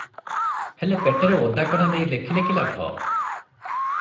ହେଲେ ପେଟରେ ଓଦାକନା ଦେଇ ଲେଖିଲେ କି ଲାଭ?